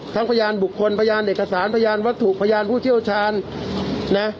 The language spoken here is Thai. พยานบุคคลพยานเอกสารพยานวัตถุพยานผู้เชี่ยวชาญนะ